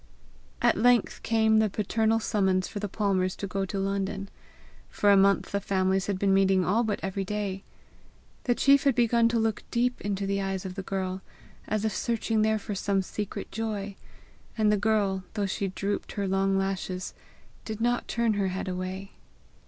At length came the paternal summons for the Palmers to go to London. For a month the families had been meeting all but every day. The chief had begun to look deep into the eyes of the girl, as if searching there for some secret joy; and the girl, though she drooped her long lashes, did not turn her head away.